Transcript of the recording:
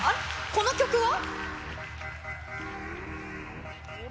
この曲は？